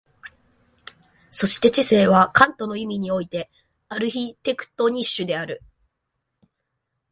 そして知性はカントの意味においてアルヒテクトニッシュである。